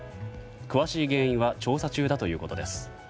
詳しい原因は調査中だということです。